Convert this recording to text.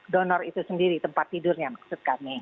donor itu sendiri tempat tidurnya maksud kami